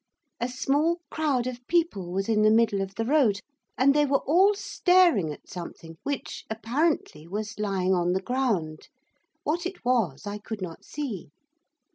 A small crowd of people was in the middle of the road, and they were all staring at something which, apparently, was lying on the ground. What it was I could not see.